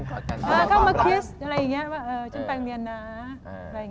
เขามาคิสอะไรอย่างงี้ว่าเออฉันไปเรียนนะ